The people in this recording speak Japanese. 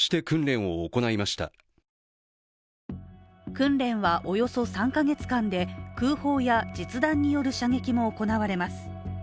訓練はおよそ３か月間で空砲や実弾による射撃も行われます。